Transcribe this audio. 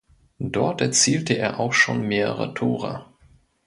Dort erzielte er auch schon mehrere Tore.